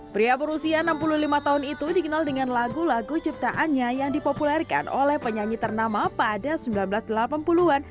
pria berusia enam puluh lima tahun itu dikenal dengan lagu lagu ciptaannya yang dipopulerkan oleh penyanyi ternama pada seribu sembilan ratus delapan puluh an